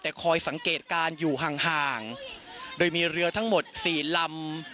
แต่คอยสังเกตการณ์อยู่ห่างห่างโดยมีเรือทั้งหมดสี่ลำ